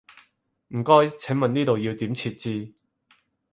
唔該，請問呢個要點設置？